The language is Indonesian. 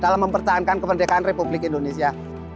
dalam mempertahankan kemerdekaan republik indonesia